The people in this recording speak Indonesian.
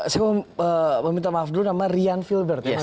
saya mau meminta maaf dulu nama rian filbert ya mas